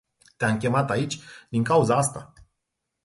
Te-am chemat aici din cauza asta.